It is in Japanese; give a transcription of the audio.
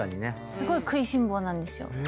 すごい食いしん坊なんですよ。